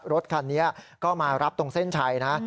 รถคันนี้ก็มารับตรงเส้นชัยนะ